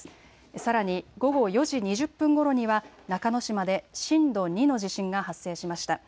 さらに午後４時２０分ごろには中之島で震度２の地震が発生しました。